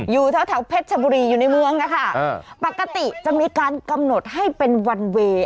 อยู่แถวเพชรชบุรีอยู่ในเมืองอะค่ะปกติจะมีการกำหนดให้เป็นวันเวย์